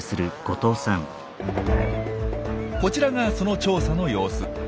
こちらがその調査の様子。